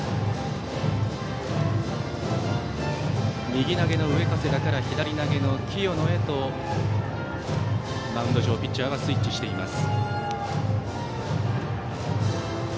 右投げの上加世田から左投げの清野へとマウンド上ピッチャーがスイッチしています。